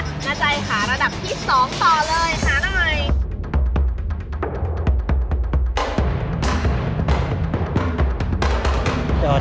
หน้าใจค่ะระดับที่๒ต่อเลยหาหน่อย